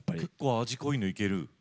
結構味濃いのいける？